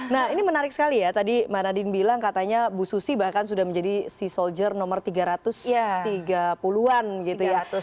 nah ini menarik sekali ya tadi mbak nadine bilang katanya bu susi bahkan sudah menjadi sea soldier nomor tiga ratus tiga puluh an gitu ya